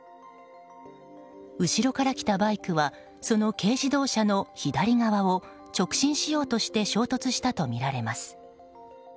後ろから来たバイクはその軽自動車の左側を直進しようとして衝突したとみられます。